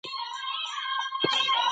د هیواد سرمایه وساتئ.